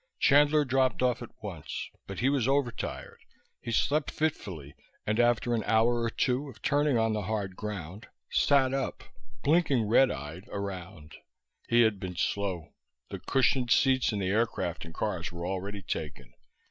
Chandler dropped off at once, but he was overtired; he slept fitfully, and after an hour or two of turning on the hard ground sat up, blinking red eyed around. He had been slow. The cushioned seats in the aircraft and cars were already taken.